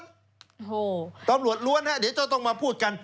โอ้โฮตำรวจร้วนครับเดี๋ยวเจ้าต้องมาพูดกัน